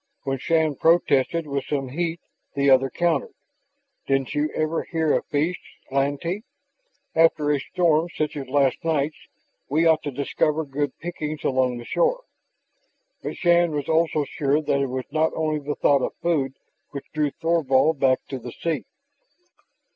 When Shann protested with some heat, the other countered: "Didn't you ever hear of fish, Lantee? After a storm such as last night's, we ought to discover good pickings along the shore." But Shann was also sure that it was not only the thought of food which drew Thorvald back to the sea.